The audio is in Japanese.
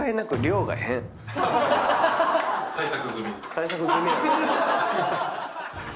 対策済み。